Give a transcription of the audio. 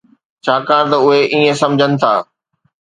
ڇاڪاڻ ته اهي ائين سمجهن ٿا.